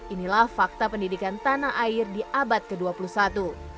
inilah fakta pendidikan tanah air di abad kemarin